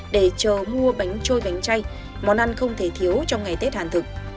để chờ mua bánh trôi bánh chay món ăn không thể thiếu trong ngày tết hàn thực